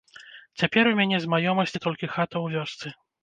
Цяпер у мяне з маёмасці толькі хата ў вёсцы.